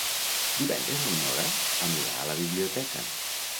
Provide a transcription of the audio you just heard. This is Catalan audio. Divendres na Nora anirà a la biblioteca.